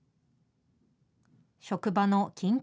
職場の緊急